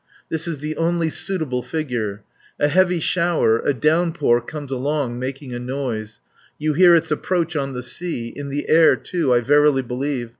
This is the only suitable figure. A heavy shower, a downpour, comes along, making a noise. You hear its approach on the sea, in the air, too, I verily believe.